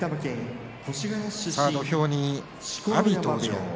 土俵に阿炎登場。